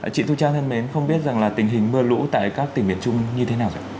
chị thu trang thân mến không biết rằng là tình hình mưa lũ tại các tỉnh miền trung như thế nào rồi